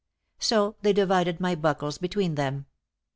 So they divided my buckles between them.